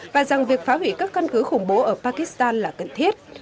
và rằng việc phá hủy các căn cứ khủng bố ở pakistan là cần thiết